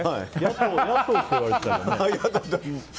野党って言われてたけど。